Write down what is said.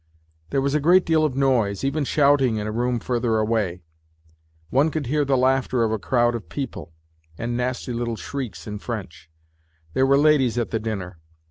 There was a great deal of noise, even shouting, in a room further away; one could hear the laughter of a crowd of people, and nasty little shrieks in French : there were ladies at the dinner.